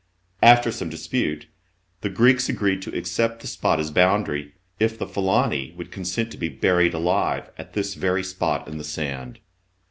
After some dispute the Greeks agreed to accept the spot as boundary, if the Philseni would consent to be buried alive, at this very spot in the sand.